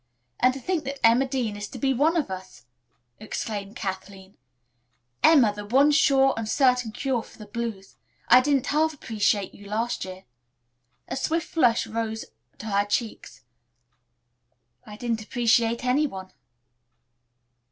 "And to think that Emma Dean is to be one of us!" exclaimed Kathleen. "Emma, the one sure and certain cure for the blues. I didn't half appreciate you last year." A swift flush rose to her cheeks. "I didn't appreciate any one.